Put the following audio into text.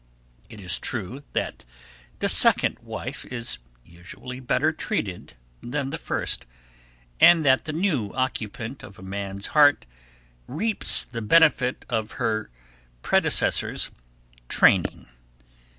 It is true that the second wife is usually better treated than the first, and that the new occupant of a man's heart reaps the benefit of her predecessor's training.